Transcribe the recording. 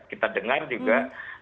kita dengar juga